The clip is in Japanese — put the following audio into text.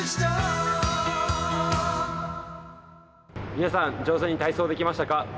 皆さん、上手に体操できましたか？